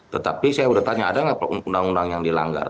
tetapi saya sudah tanya ada nggak undang undang yang dilanggar